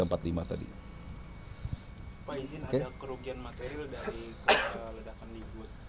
pak izin ada kerugian material dari keledakan di bud